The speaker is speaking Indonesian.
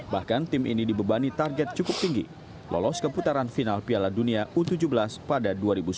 bahkan tim ini dibebani target cukup tinggi lolos ke putaran final piala dunia u tujuh belas pada dua ribu sembilan belas